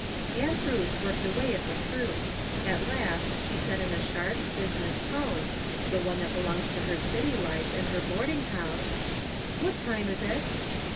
Aunt Ruth worked away at the fruit. At last she said in a sharp, business tone, the one that belongs to her city life and her boarding house : "What time is it?"